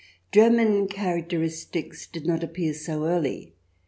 German characteristics did not appear so early.